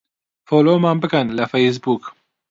فۆلۆومان بکەن لە فەیسبووک.